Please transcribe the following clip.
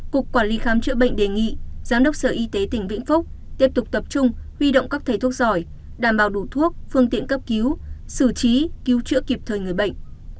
cục quản lý khám chữa bệnh đề nghị giám đốc sở y tế tỉnh vĩnh phúc tiếp tục tập trung huy động các thầy thuốc giỏi đảm bảo đủ thuốc phương tiện cấp cứu xử trí cứu chữa kịp thời người bệnh